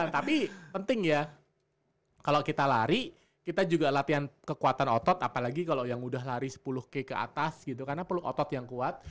tapi penting ya kalau kita lari kita juga latihan kekuatan otot apalagi kalau yang udah lari sepuluh k ke atas gitu karena perlu otot yang kuat